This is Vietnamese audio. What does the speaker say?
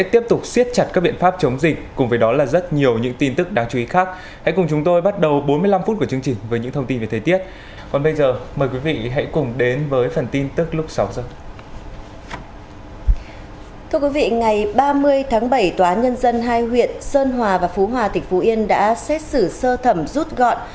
thưa quý vị ngày ba mươi tháng bảy tòa án nhân dân hai huyện sơn hòa và phú hòa tỉnh phú yên đã xét xử sơ thẩm rút gọn